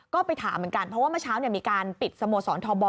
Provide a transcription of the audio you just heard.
ก็ไปถามเหมือนกันเพราะว่าเมื่อเช้ามีการปิดสโมสรทบ